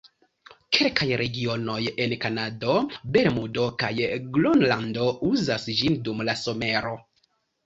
Kelkaj regionoj en Kanado, Bermudo kaj Gronlando uzas ĝin dum la somero.